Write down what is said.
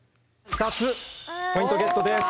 ２つポイントゲットです。